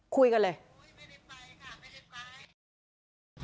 คุยกันเลย